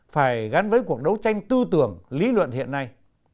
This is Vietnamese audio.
phải gắn với cuộc đấu tranh tư tưởng lý luận hiện nay